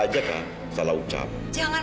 takut dari carolina